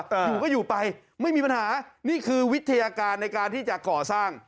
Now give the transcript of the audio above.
อยู่ก็อยู่ไปไม่มีปัญหานี่คือวิทยาการในการที่จะก่อสร้าง